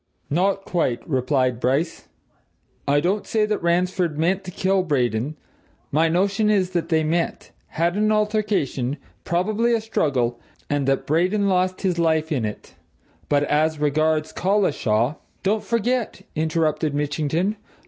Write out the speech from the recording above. "Not quite," replied Bryce. "I don't say that Ransford meant to kill Braden my notion is that they met, had an altercation, probably a struggle, and that Braden lost his life in it. But as regards Collishaw " "Don't forget!" interrupted Mitchington.